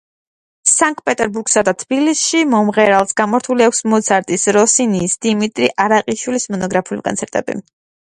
სანკტ პეტერბურგსა და თბილისში მომღერალს გამართული აქვს მოცარტის, როსინის, დიმიტრი არაყიშვილის მონოგრაფიული კონცერტები.